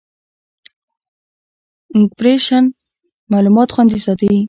انکریپشن معلومات خوندي ساتي.